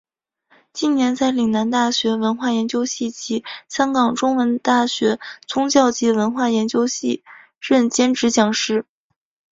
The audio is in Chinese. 近年在岭南大学文化研究系及香港中文大学宗教及文化研究系任兼职讲师。